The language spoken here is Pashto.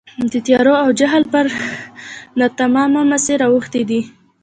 د تیارو او جهل پر ناتمامه مسیر اوښتي دي.